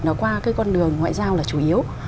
nó qua cái con đường ngoại giao là chủ yếu